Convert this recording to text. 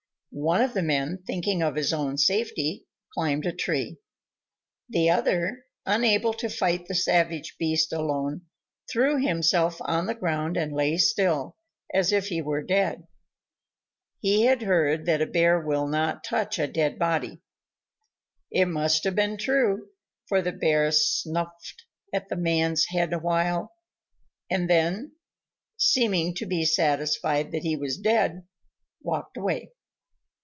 One of the Men, thinking of his own safety, climbed a tree. The other, unable to fight the savage beast alone, threw himself on the ground and lay still, as if he were dead. He had heard that a Bear will not touch a dead body. It must have been true, for the Bear snuffed at the Man's head awhile, and then, seeming to be satisfied that he was dead, walked away.